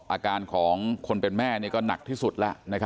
อาการของคนเป็นแม่ก็หนักที่สุดแล้ว